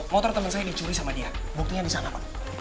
motor temen saya dicuri sama dia buktinya disana pak